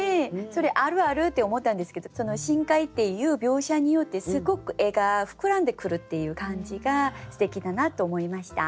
「それあるある！」って思ったんですけど「深海」っていう描写によってすごく絵が膨らんでくるっていう感じがすてきだなと思いました。